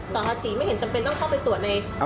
ต่อเฉรี่ไม่เห็นจำเป็นต้องเข้าไปตรวจไหม